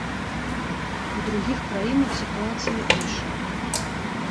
У другіх краінах сітуацыя іншая.